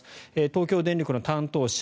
東京電力の担当者